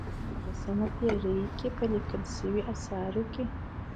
په نولسمه پېړۍ کې لیکل شویو آثارو کې.